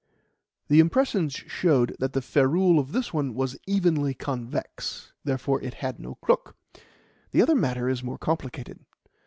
The impressions showed that the ferrule of this one was evenly convex; therefore it had no crook. The other matter is more complicated.